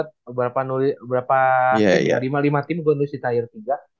lima lima tim gua nulis di tahir juga